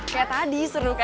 kayak tadi seru kan